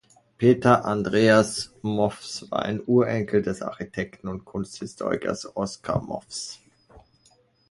Peter-Andreas Mothes war ein Urenkel des Architekten und Kunsthistorikers Oskar Mothes.